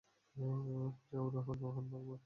পূজা, ও রোহান, রোহন ভার্মা।